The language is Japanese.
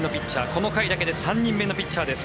この回だけで３人目のピッチャーです。